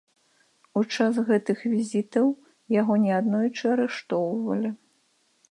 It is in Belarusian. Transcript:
У час гэтых візітаў яго не аднойчы арыштоўвалі.